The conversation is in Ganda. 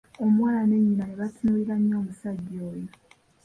Omuwala ne nnyina ne batunuulira nnyo omusajja oyo.